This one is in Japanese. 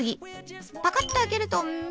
パカッと開けるとミイラ！